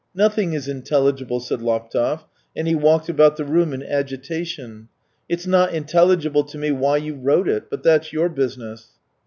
" Nothing is intelligible," said Laptev, and he walked about the room in agitation. " It's not intelligible to me why you wrote it. But that's youx business."